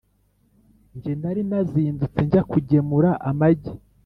nge nari nazindutse njya kugemura amagi.